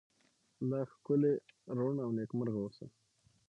لا ښکلې، ړون، او نکيمرغه اوسه👏